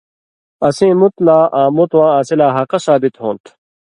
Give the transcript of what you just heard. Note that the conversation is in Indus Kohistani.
اسیں مُت لا آں مُتواں اسی لا حَقہ ثابت ہوں تھہ۔